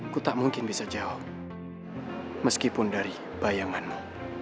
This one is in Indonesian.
ku tak mungkin bisa jawab meskipun dari bayanganmu